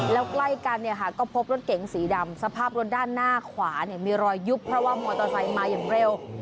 แล้วใกล้กันเนี่ยค่ะก็พบรถเก๋งสีดำสภาพรถด้านหน้าขวามีรอยยุบเพราะว่ามอเตอร์ไซค์มาอย่างเร็ว